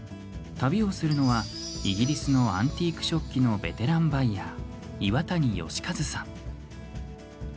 旅をするのはイギリスのアンティーク食器のベテランバイヤー、岩谷好和さん。